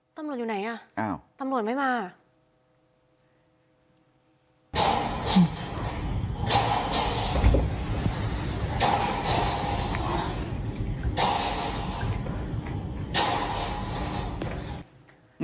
ตำรวจอยู่ไหนอ่ะตำรวจไม่มาอ่ะอ้าว